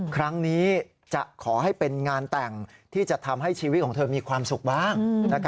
ครั้งนี้จะขอให้เป็นงานแต่งที่จะทำให้ชีวิตของเธอมีความสุขบ้าง